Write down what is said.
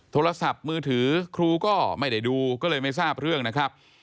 โทรศัพท์มือถือครูก็ไม่ได้ดูก็เลยไม่ทราบเรื่องนะครับ